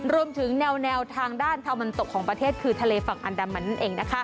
รวมถึงแนวทางด้านตะวันตกของประเทศคือทะเลฝั่งอันดามันนั่นเองนะคะ